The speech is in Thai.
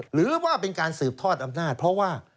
หรือว่าเป็นการสืบทอดอำนาจเพราะว่า